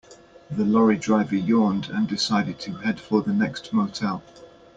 The lorry driver yawned and decided to head for the next motel.